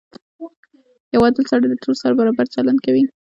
• یو عادل سړی د ټولو سره برابر چلند کوي.